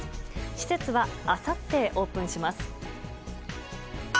施設はあさってオープンします。